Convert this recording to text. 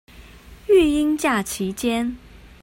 育嬰假期間